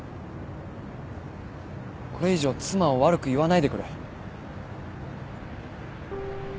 これ以上妻を悪く言わないでくれ。